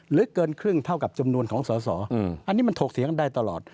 เกินครึ่งเท่ากับจำนวนของสอสออันนี้มันถกเถียงกันได้ตลอด